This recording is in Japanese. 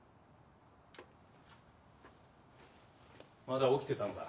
まだ起きてたのか。